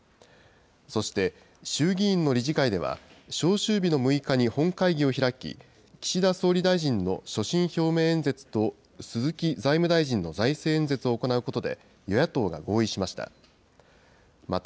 そして衆議院の理事会では、召集日の６日に本会議を開き、岸田総理大臣の所信表明演説と鈴木財務大臣の財政演説を行うことで、与野党が合意しました。